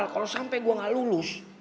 kalau sampe gue nggak lulus